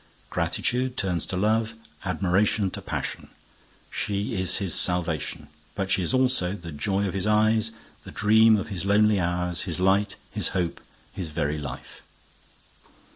Gratitude turns to love, admiration to passion. She is his salvation, but she is also the joy of his eyes, the dream of his lonely hours, his light, his hope, his very life.